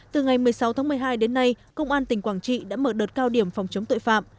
từ ngày một mươi sáu tháng một mươi hai đến nay công an tỉnh quảng trị đã mở đợt cao điểm phòng chống tội phạm